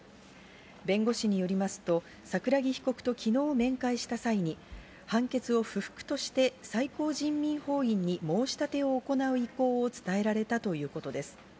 弁護士によりますと、桜木被告と昨日面会した際に判決を不服として最高人民法院に申し立てを行う意向を伝えられたということです。